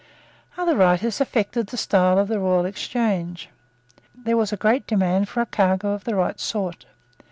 Other writers affected the style of the Royal Exchange. There was a great demand for a cargo of the right sort.